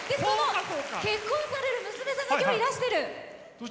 結婚される娘さんが今日いらしてる。